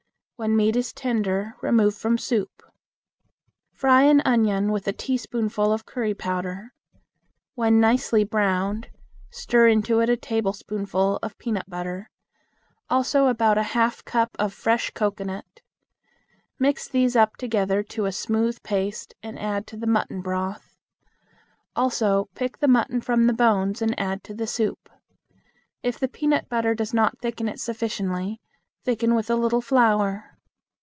When meat is tender remove from soup. Fry an onion with a teaspoonful of curry powder. When nicely browned stir into it a tablespoonful of peanut butter; also about a half cup of fresh cocoanut. Mix these up together to a smooth paste and add to the mutton broth. Also pick the mutton from the bones and add to the soup. If the peanut butter does not thicken it sufficiently, thicken with a little flour.